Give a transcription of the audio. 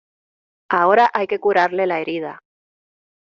ahora hay que curarle la herida.